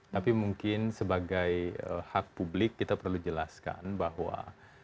tapi mungkin sebagai hak publik kita perlu jelaskan bahwa